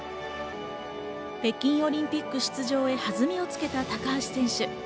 北京オリンピック出場へ弾みをつけた高橋選手。